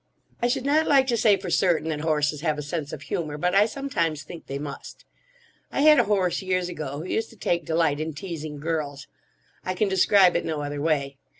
I should not like to say for certain that horses have a sense of humour, but I sometimes think they must. I had a horse years ago who used to take delight in teasing girls. I can describe it no other way.